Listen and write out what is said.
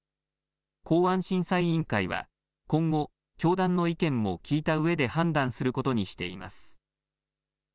公安審査委員会は、今後、教団の意見も聞いたうえで判断することにしています。